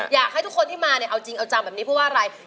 อยากให้ทุกคนที่มาเนี่ยเอาจริงเอาจังแบบนี้เพราะว่าอะไร